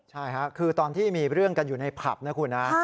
ใช่ค่ะคือตอนที่มีเรื่องกันอยู่ในผับนะคุณนะ